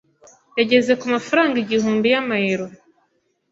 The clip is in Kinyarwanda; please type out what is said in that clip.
Yageze ku mafaranga igihumbi yama euro.